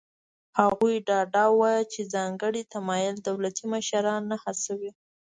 هغوی ډاډه وو چې ځانګړی تمایل دولتي مشران نه هڅوي.